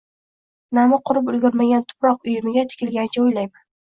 Nami qurib ulgurmagan tuproq uyumiga tikilgancha o‘ylayman.